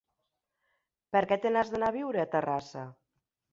Per què te'n vas anar a viure a Terrassa?